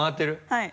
はい。